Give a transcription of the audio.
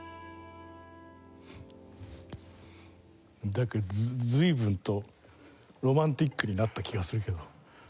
なんか随分とロマンチックになった気がするけど。